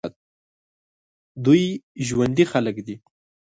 دوی ژوندي خلک دي.